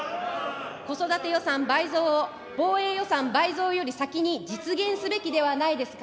子育て予算倍増を、防衛予算倍増より先に実現すべきではないですか。